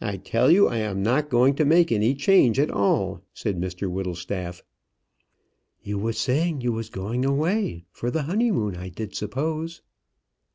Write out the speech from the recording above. "I tell you I am not going to make any change at all," said Mr Whittlestaff. "You was saying you was going away, for the honeymoon, I did suppose."